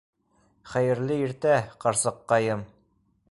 Хәйерле иртә, ҡарсыҡҡайым!